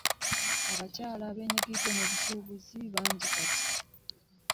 Abakyala abeenyigidde mu busuubuzi bangi kati.